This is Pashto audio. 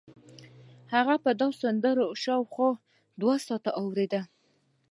هغه به دا سندره شاوخوا دوه ساعته اورېده